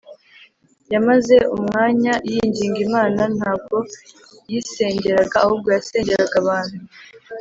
yamaze umwanya yinginga imana ntabwo yisengeraga ahubwo yasengeraga abantu